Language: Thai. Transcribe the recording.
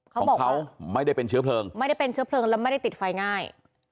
เขาบอกเขาไม่ได้เป็นเชื้อเพลิงไม่ได้เป็นเชื้อเพลิงแล้วไม่ได้ติดไฟง่าย